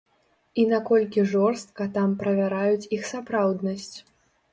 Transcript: І наколькі жорстка там правяраюць іх сапраўднасць.